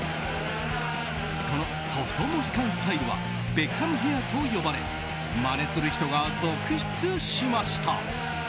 このソフトモヒカンスタイルはベッカムヘアと呼ばれまねする人が続出しました。